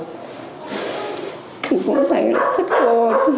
thì cũng phải khắt cô